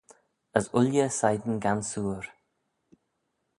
As ooilley shegin gansoor.